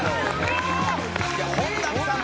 本並さん